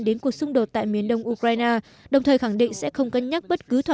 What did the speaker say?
đến cuộc xung đột tại miền đông ukraine đồng thời khẳng định sẽ không cân nhắc bất cứ thỏa